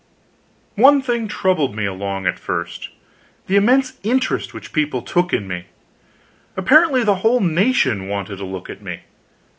One thing troubled me along at first the immense interest which people took in me. Apparently the whole nation wanted a look at me.